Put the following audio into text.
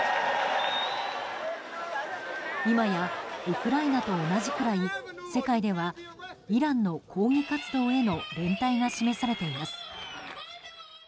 今や、ウクライナと同じくらい世界ではイランの抗議活動への連帯が示されています。